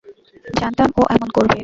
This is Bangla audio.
জানতাম ও এমন করবে।